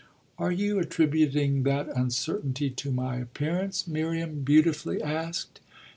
"Are you attributing that uncertainty to my appearance?" Miriam beautifully asked.